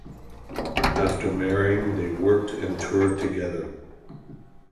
After marrying, they worked and toured together.